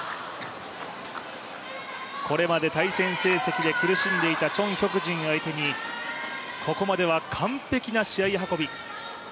これまで対戦成績で苦しんでいたチョン・ヒョクジンを相手にここまでは完璧な試合運び。